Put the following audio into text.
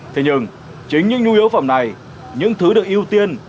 thế nhưng chính những nhu yếu phẩm này những thứ được ưu tiên